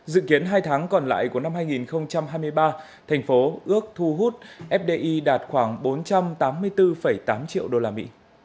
dự kiến hai tháng còn lại của năm hai nghìn hai mươi ba thành phố ước thu hút fdi đạt khoảng bốn trăm tám mươi bốn tám triệu usd